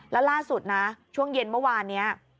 แล้วล่าสุดนะช่วงเย็นเมื่อวานนี้